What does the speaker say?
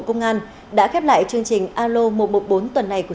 trong chương trình tuần sau